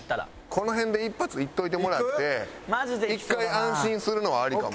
この辺で１発いっといてもらって１回安心するのはありかも。